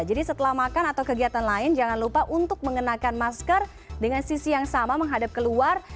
jadi setelah makan atau kegiatan lain jangan lupa untuk mengenakan masker dengan sisi yang sama menghadap ke luar